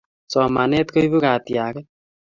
Somanet koipu katiaket